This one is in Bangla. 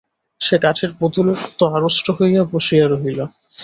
সে কাঠের পুতুলের মতো আড়ষ্ট হইয়া বসিয়া রহিল।